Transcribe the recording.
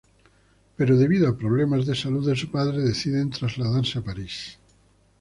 Pero debido a problemas de salud de su padre, deciden trasladarse a París.